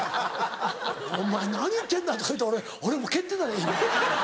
「お前何言ってんだ」とか言うて俺蹴ってたで今。